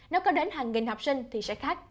nếu có đến hàng nghìn học sinh thì sẽ khác